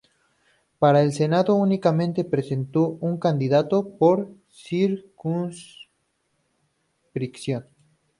Para el Senado únicamente presentó un candidato por circunscripción:.